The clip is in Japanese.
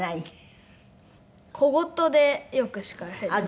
小言でよく叱られます。